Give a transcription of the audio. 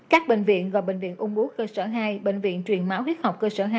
các bệnh viện và bệnh viện ung búa cơ sở hai bệnh viện truyền máu huyết học cơ sở hai